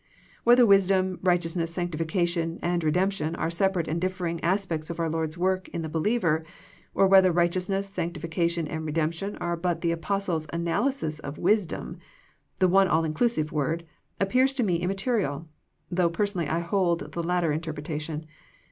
'' Whether wisdom, righteousness, sanctification and redemption are separate and differing as pects of our Lord's work in the believer, or whether righteousness, sanctification and redemp tion are but the apostle's analysis of wisdom, the one all inclusive word, appears to me immaterial, though personally I hol^ the latter interpreta tion.